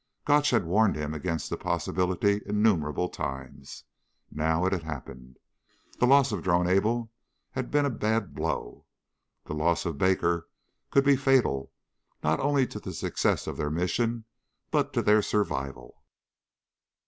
Gotch had warned him against the possibility innumerable times. Now it had happened. The loss of Drone Able had been a bad blow; the loss of Baker could be fatal, not only to the success of their mission but to their survival.